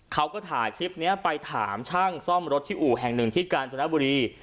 เขาก็ถ่ายคลิปนี้ไปถามช่างซ่อมรถที่อู่แห่งหนึ่งที่กาญจนบุรี